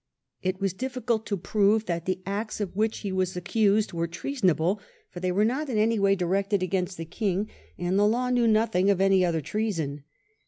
It was difficult to prove that the acts of which he was accused were treasonable, for they were not in any way directed against the king; and the law knew nothing of any other treason.